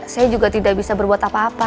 saya juga tidak bisa berbuat apa apa